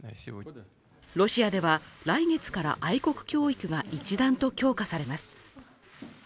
ロシアでは来月から愛国教育が一段と強化されます